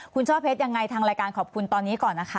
คุณช่อเพชรยังไงทางรายการขอบคุณตอนนี้ก่อนนะคะ